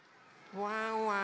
ワンワン